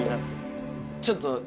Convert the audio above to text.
ちょっと。